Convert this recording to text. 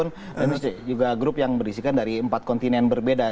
dan juga grup yang berisikan dari empat kontinen berbeda